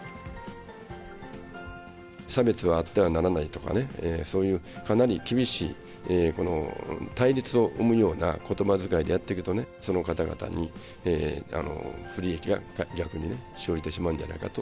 差別はあってはならないとかね、そういうかなり厳しい、この対立を生むようなことばづかいでやっていくとね、その方々に不利益が逆に生じてしまうんじゃないかと。